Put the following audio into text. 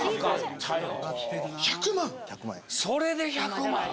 それで１００万！？